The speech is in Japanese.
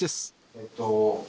えっと